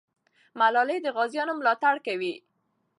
ملالۍ د غازیانو ملاتړ کوي.